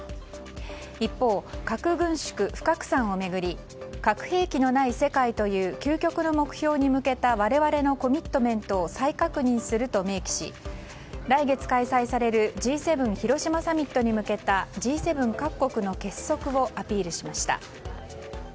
一方、核軍縮・不拡散を巡り核兵器のない世界という究極の目標に向けた我々のコミットメントを再確認すると明記し来月開催されるＧ７広島サミットに向けたＧ７各国の結束をアピールしました。